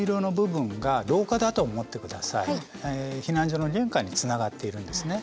避難所の玄関につながっているんですね。